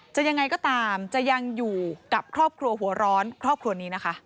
ยังไงก็ตามจะยังอยู่กับครอบครัวหัวร้อนครอบครัวนี้นะคะ